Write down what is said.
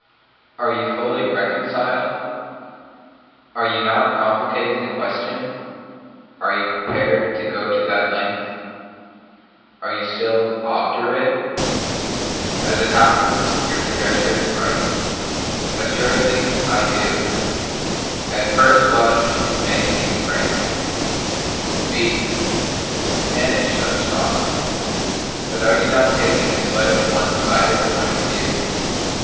Are you fully reconciled? Are you not complicating the question? Are you prepared to go to that length? Are you still obdurate? [obdurate = Hardened in wrongdoing; stubbornly impenitent] As it happens, your conjecture is right Assuredly I do At first blush it may seem fantastic B Banish such thoughts But are you not taking a slightly one sided point of view?